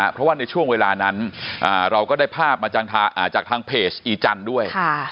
เพราะว่าในช่วงเวลานั้นเราก็ได้ภาพมาจากทางเพจอีจันทร์ด้วย